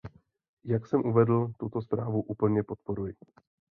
Jak jsem uvedl, tuto zprávu plně podporuji.